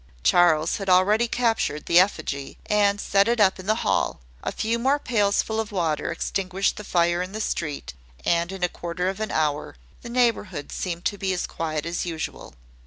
Charles had already captured the effigy, and set it up in the hall: a few more pailsful of water extinguished the fire in the street; and in a quarter of an hour the neighbourhood seemed to be as quiet as usual.